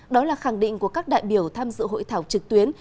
đó là khẳng định của các đại biểu tham dự hội thảo trực tuyến